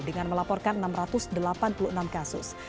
dengan melaporkan enam ratus delapan puluh enam kasus